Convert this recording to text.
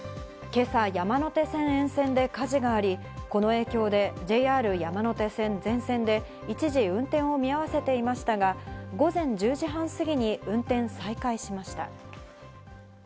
今朝、山手線沿線で火事があり、この影響でＪＲ山手線全線で一時運転を見合わせていましたが、午前１０時半過ぎに運転再開しました。